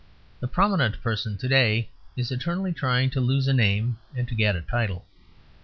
The prominent person today is eternally trying to lose a name, and to get a title.